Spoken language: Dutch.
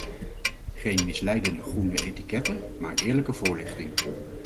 Geen misleidende groene etiketten maar eerlijke voorlichting.